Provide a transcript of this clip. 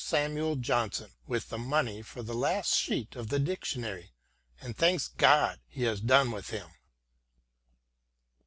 SAMUEL JOHNSON 45 with the money for the last sheet of the dictionary and thanks God he has done with him.